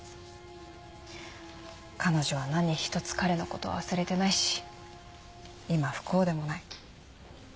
彼女は何一つ彼のことは忘れてないし今不幸でもない。